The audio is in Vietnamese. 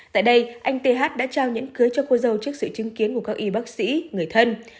tại đây anh th đã trao những cưới cho cô dâu trước sự chứng kiến của các y bác sĩ người thân